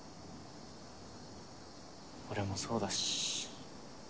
俺もそうだし。